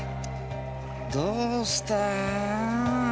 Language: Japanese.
どうした？